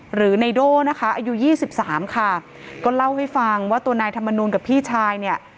หรือไนโด่นะคะอายุยี่สิบสามค่ะก็เล่าให้ฟังว่าตัวนายธรรมนูลกับพี่ชายเนี่ย